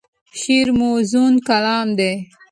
شعر موزون کلام دی.